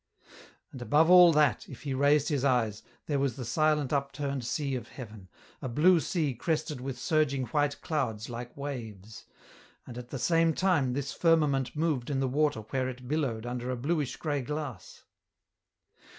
And above all that, if he raised his eyes, there was the silent upturned sea of heaven, a blue sea crested with surging white clouds like waves ; and at the same time this firmament moved in the water where it billowed under a blueish gray glass.